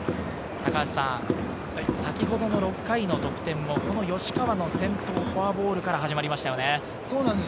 先ほどの６回の得点も吉川の先頭、フォアボールから始まりましたね。